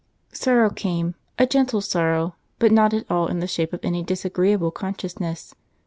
Sorrow came—a gentle sorrow—but not at all in the shape of any disagreeable consciousness.